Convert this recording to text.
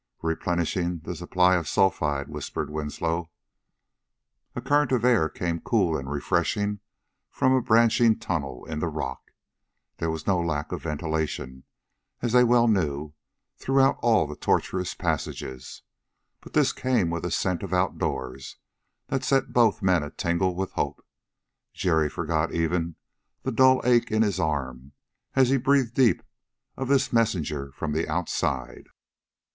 "Replenishing the supply of sulphide," whispered Winslow. A current of air came cool and refreshing from a branching tunnel in the rock. There was no lack of ventilation, as they well knew, throughout all the tortuous passages, but this came with a scent of outdoors that set both men a tingle with hope. Jerry forgot even the dull ache in his arm as he breathed deep of this messenger from the outside.